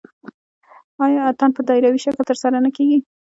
آیا اتن په دایروي شکل ترسره نه کیږي؟